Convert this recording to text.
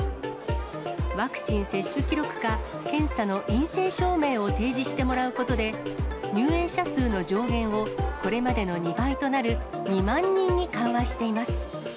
ワクチン接種記録か、検査の陰性証明を提示してもらうことで、入園者数の上限をこれまでの２倍となる２万人に緩和しています。